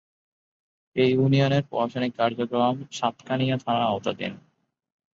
এ ইউনিয়নের প্রশাসনিক কার্যক্রম সাতকানিয়া থানার আওতাধীন।